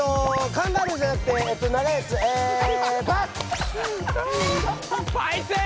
カンガルーじゃなくてパイセン！